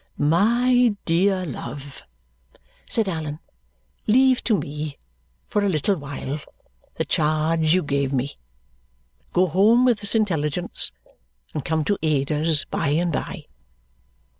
"My dear love," said Allan, "leave to me, for a little while, the charge you gave me. Go home with this intelligence and come to Ada's by and by!"